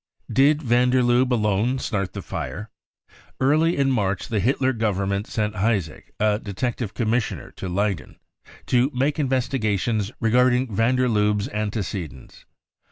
Did van der Lubbe alone start the fire? Early in March the Hitler Government sent Heisig, a detective commissioner, to Leyden, to make investigations, regarding van der Lubbe's antecedents.